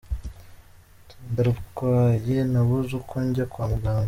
Ndarwaye nabuze uko njya kwa muganga.